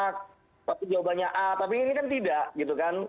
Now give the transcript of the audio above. tapi jawabannya a tapi ini kan tidak gitu kan